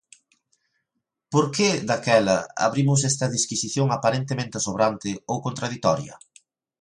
Por que, daquela, abrimos esta disquisición aparentemente sobrante ou contraditoria?